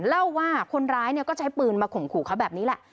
เล่าว่าคนร้ายก็ใช้ปืนมาข่มขู่เขาแบบนี้แหละ